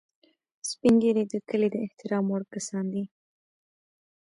سپین ږیری د کلي د احترام وړ کسان دي